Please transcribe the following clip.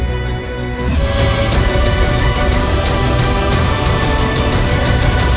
โปรดติดตามตอนต่อไป